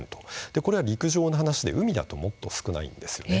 これは陸上の話で海だともっと少ないんです。